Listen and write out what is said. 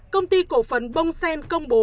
công ty cổ phấn bongsen công bố